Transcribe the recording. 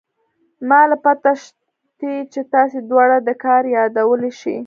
ما له پته شتې چې تاسې دواړه دا كار يادولې شې.